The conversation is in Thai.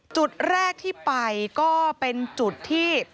จุดแรกที่ไปก็เป็นจุดที่